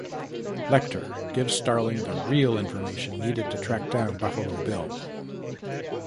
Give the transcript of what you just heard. Lecter gives Starling the real information needed to track down Buffalo Bill.